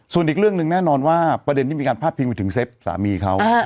ส่วนอีกเรื่องหนึ่งแน่นอนว่าประเด็นที่มีการพาดพิงไปถึงเซฟสามีเขา